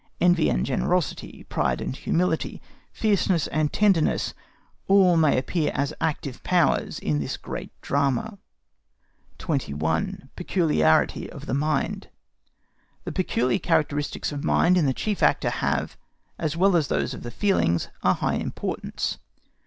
Envy and generosity, pride and humility, fierceness and tenderness, all may appear as active powers in this great drama. 21. PECULIARITY OF MIND. The peculiar characteristics of mind in the chief actor have, as well as those of the feelings, a high importance.